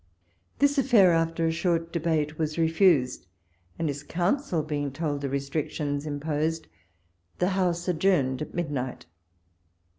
This affair, after a short debate, was refused ; and his counsel being told the restrictions imposed, the House adjourned at midnight.